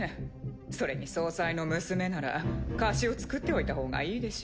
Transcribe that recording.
それに総裁の娘なら貸しを作っておいた方がいいでしょ？